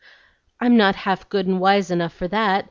"I'm not half good and wise enough for that!